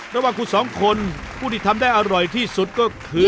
ระหว่างคุณสองคนผู้ที่ทำได้อร่อยที่สุดก็คือ